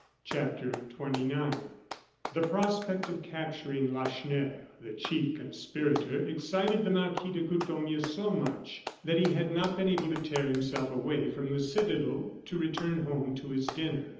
CHAPTER XXIX The prospect of capturing Lacheneur, the chief conspirator, excited the Marquis de Courtornieu so much that he had not been able to tear himself away from the citadel to return home to his dinner.